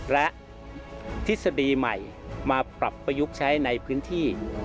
และทฤษฎีใหม่มาปรับประยุกต์ใช้ในพื้นที่